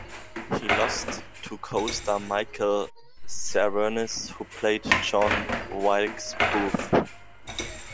He lost to co-star Michael Cerveris who played John Wilkes Booth.